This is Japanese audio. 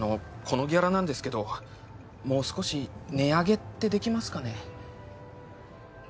このギャラなんですけどもう少し値上げってできますかね？